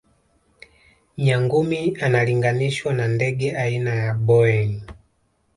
nyangumi analinganishwa na ndege aina ya boeing